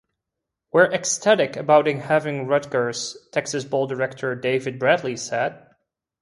"We're ecstatic about having Rutgers," Texas Bowl director David Brady said.